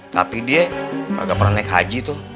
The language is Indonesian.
tapi dia nggak pernah naik haji tuh